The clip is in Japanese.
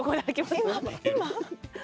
今？